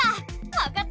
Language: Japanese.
⁉わかった！